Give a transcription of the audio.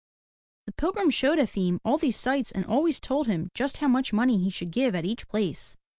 The pilgrim showed Efim all these sights and always told him just how much money he should give at each place.